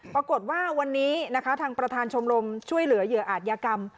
ปรากฏว่าวันนี้นะคะทางประธานชมรมช่วยเหลือเหยื่ออาจยากรรม